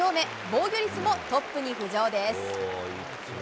防御率もトップに浮上です。